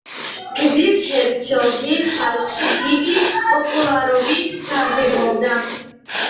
გიზის ჰერცოგი ხალხში დიდი პოპულარობით სარგებლობდა.